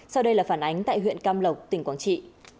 sau đây là phản ánh tại huyện cam lộc tỉnh quảng trị